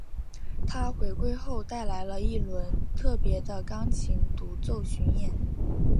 她回归后带来了一轮特别的钢琴独奏巡演。